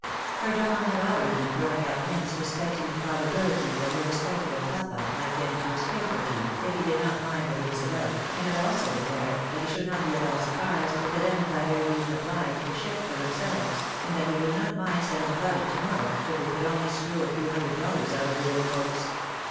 Her Don had already been throwing out hints respecting the probability that her respectable papa might get into a scrape or two, if he did not mind what he was about, and had also declared that he should not be at all surprised if it ended by their being obliged to shift for themselves, and that he would not mind setting about it to morrow, if they could only screw a few hundred dollars out of the old folks.